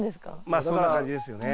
まあそんな感じですよね。